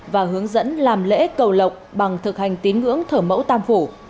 và hướng dẫn làm lễ cầu lộc bằng thực hành tín ngưỡng thở mẫu tam phủ